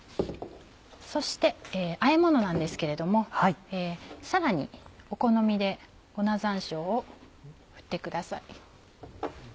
そしてあえものなんですけれどもさらにお好みで粉山椒を振ってください。